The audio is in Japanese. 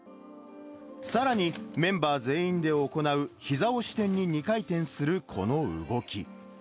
さらに、メンバー全員で行うひざを支点に２回転するこの動き。